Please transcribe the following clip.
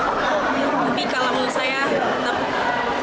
udah banyak berita katanya di jawa timur kan udah banyak yang kena virus corona